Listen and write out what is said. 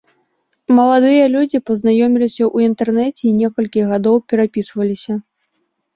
Маладыя людзі пазнаёміліся ў інтэрнэце і некалькі гадоў перапісваліся.